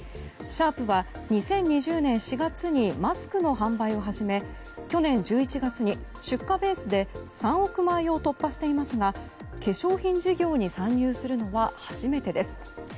シャープは２０２０年４月にマスクの販売を始め去年１１月に出荷ベースで３億枚を突破していますが化粧品事業に参入するのは初めてです。